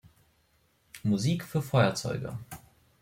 Musik für Feuerzeuge".